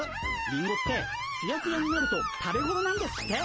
リンゴってツヤツヤになると食べごろなんですって。